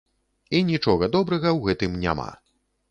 І нічога добрага ў гэтым няма.